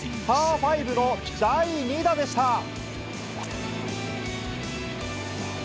パー５の第２打でした。